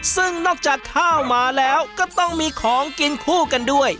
ซึ่งนอกจากข้าวหมาแล้วก็ต้องมีของกินคู่กันด้วย